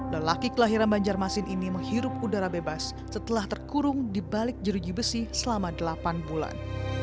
lelaki kelahiran banjarmasin ini menghirup udara bebas setelah terkurung di balik jeruji besi selama delapan bulan